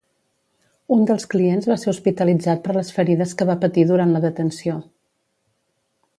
Un dels clients va ser hospitalitzat per les ferides que va patir durant la detenció.